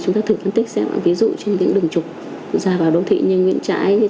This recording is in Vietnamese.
chúng ta thử phân tích xem ví dụ trên những đường trục ra vào đông thị như nguyễn trãi